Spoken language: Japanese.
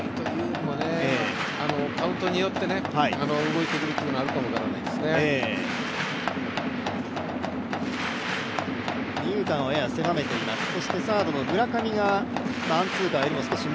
カウントによって動いてくるというのはあるかも分からないですね。